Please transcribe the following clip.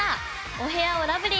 「お部屋をラブリーに！